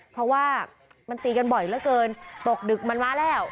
เพราะว่ามันตีกันบ่อยเหลือเกินตกดึกมันมาแล้ว